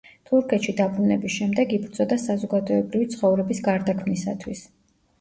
თურქეთში დაბრუნების შემდეგ იბრძოდა საზოგადოებრივი ცხოვრების გარდაქმნისათვის.